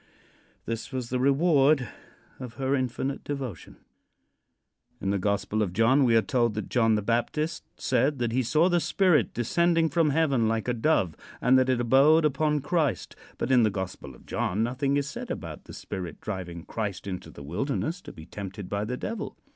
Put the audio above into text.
This was the reward of her infinite devotion. In the Gospel of John we are told that John the Baptist said that he saw the Spirit descending from heaven like a dove, and that it abode upon Christ. But in the Gospel of John nothing is said about the Spirit driving Christ into the wilderness to be tempted by the Devil.